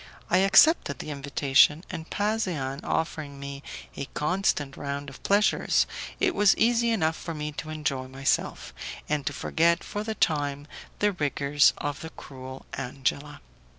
I accepted the invitation, and Pasean offering me a constant round of pleasures, it was easy enough for me to enjoy myself, and to forget for the time the rigours of the cruel Angela.